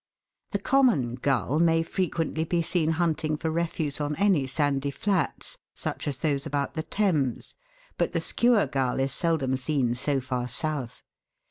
The common gull may frequently be seen hunting for refuse on any sandy flats, such as those about the Thames, but the Skua gull is seldom seen so far south.